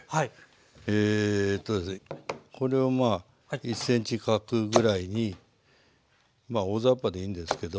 えこれを１ｃｍ角ぐらいにまあ大ざっぱでいいんですけど。